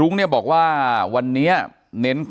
อย่างที่บอกไปว่าเรายังยึดในเรื่องของข้อ